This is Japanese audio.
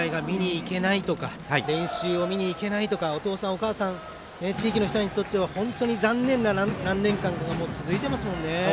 あの練習試合が見に行けないとか練習を見に行けないとかお父さんお母さん地域の人にとって残念な何年間続いていますもんね。